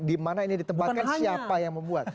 dimana ini ditebakkan siapa yang membuat